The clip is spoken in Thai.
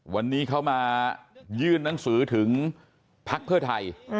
วันนี้เขามายื่นหนังสือถึงพักเพื่อไทย